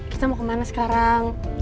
kita mau kemana sekarang